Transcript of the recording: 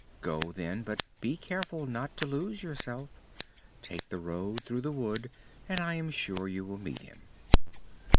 "Go, then, but be careful not to lose yourself. Take the road through the wood and I am sure that you will meet him."